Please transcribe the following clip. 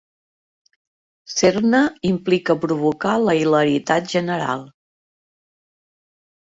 Ser-ne implica provocar la hilaritat general.